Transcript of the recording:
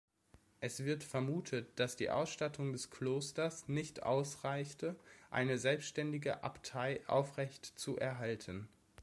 Es wird vermutet, dass die Ausstattung des Klosters nicht ausreichte, eine selbstständige Abtei aufrechtzuerhalten.